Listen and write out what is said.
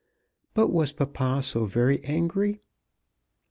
But was papa so very angry?"